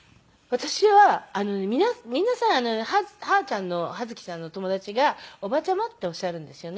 私は皆さんはーちゃんのはづきさんの友達がおばちゃまっておっしゃるんですよね。